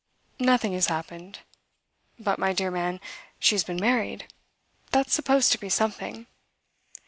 "Nothing has happened? But, my dear man, she has been married. That's supposed to be something."